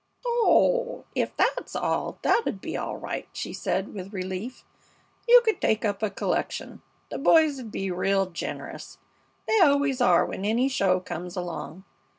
"Oh! Ef that's all, that 'u'd be all right!" she said, with relief. "You could take up a collection. The boys would be real generous. They always are when any show comes along.